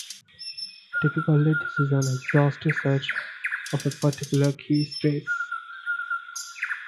Typically, this is an exhaustive search of a particular key space.